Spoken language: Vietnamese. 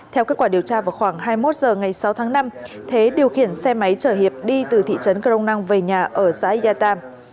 theo kết quả điều tra vào khoảng hai mươi một h ngày sáu tháng năm thế điều khiển xe máy chở hiệp đi từ thị trấn cờ rông năng về nhà ở xã yà tam